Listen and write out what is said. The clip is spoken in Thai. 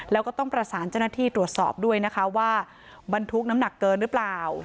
แล้วก็ต้องประสานเจ้าหน้าที่ตรวจสอบด้วยนะคะว่าบรรทุกน้ำหนักเกินหรือเปล่า